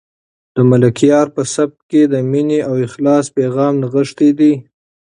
د ملکیار په سبک کې د مینې او اخلاص پیغام نغښتی دی.